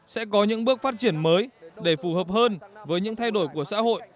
sẽ có những bước phát triển mới để phù hợp hơn với những thay đổi của xã hội